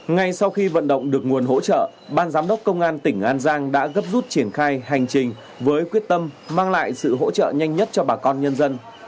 ngay sau khi vận động được nguồn hỗ trợ ban giám đốc công an tỉnh an giang đã gấp rút triển khai hành trình với quyết tâm mang lại sự hỗ trợ nhanh nhất cho bà con nhân dân